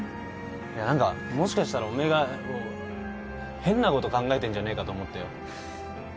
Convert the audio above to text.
いや何かもしかしたらおめえが変なこと考えてんじゃねえかと思ってよ。